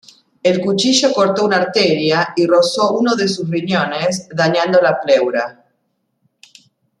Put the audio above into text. El cuchillo cortó una arteria y rozó uno de sus riñones, dañando la pleura.